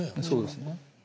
そうですね。